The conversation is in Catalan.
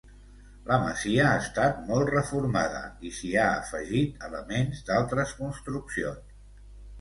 La masia ha estat molt reformada i s'hi ha afegit elements d'altres construccions.